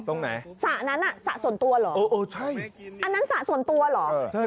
ตรงไหนสระนั้นสระส่วนตัวเหรออันนั้นสระส่วนตัวเหรอ